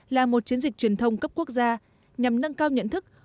là một chiến dịch truyền thông cấp quốc gia nhằm nâng cao nhận thức